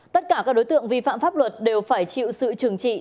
tất cả các đối tượng vi phạm pháp luật đều phải chịu sự trừng trị